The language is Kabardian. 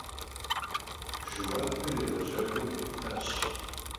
Jjeuapır yêğecak'uem kharitaş.